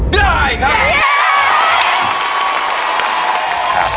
ได้ครับ